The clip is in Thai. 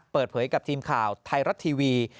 เปิดเผยกับทีมข่าวไทยรัฐทีวี